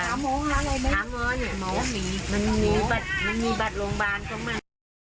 ถามหมอหาอะไรไหมถามหมอเนี่ยมีบัตรโรงบาลเขามา